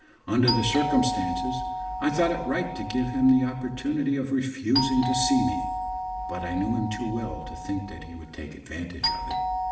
Under the circumstances I thought it right to give him the opportunity of refusing to see me, but I knew him too well to think that he would take advantage of it.